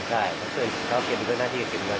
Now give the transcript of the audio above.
ใช่เขาเก็บอีกหน้าที่เก็บเงิน